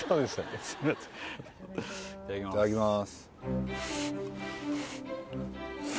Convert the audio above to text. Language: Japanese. いただきます